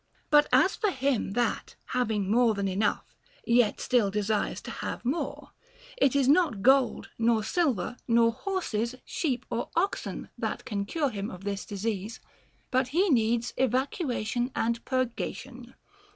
But as for him that, having more than enough, yet still desires to have more, it is not gold nor silver, not horses, sheep, or oxen, that can cure him of this disease, but he needs evac uation and purgation.